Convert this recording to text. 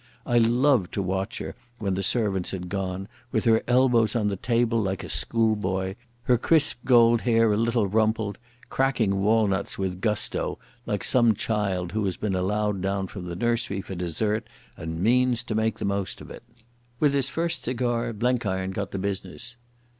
I loved to watch her, when the servants had gone, with her elbows on the table like a schoolboy, her crisp gold hair a little rumpled, cracking walnuts with gusto, like some child who has been allowed down from the nursery for dessert and means to make the most of it. With his first cigar Blenkiron got to business.